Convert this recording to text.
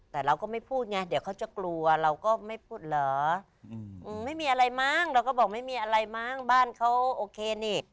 แต่เราก็ไม่พูดไงเดี๋ยวเขาจะกลัวเราก็ไม่พูดเหรอไม่มีอะไรมั้งเราก็บอกไม่มีอะไรมั้งบ้านเขาโอเคนี่